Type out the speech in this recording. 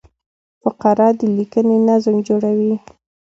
فقره د لیکني نظم جوړوي.